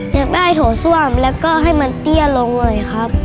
อยากได้โถส้วมแล้วก็ให้มันเตี้ยลงหน่อยครับ